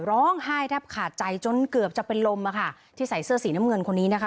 ร้องไห้แทบขาดใจจนเกือบจะเป็นลมอะค่ะที่ใส่เสื้อสีน้ำเงินคนนี้นะคะ